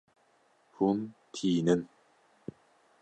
Hûn tînin.